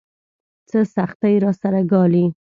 څه سختۍ راسره ګالي.